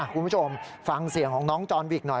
คุณผู้ชมฟังเสียงของน้องจอนวิกหน่อย